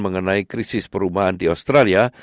mengenai krisis perumahan di australia